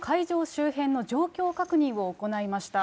周辺の状況確認を行いました。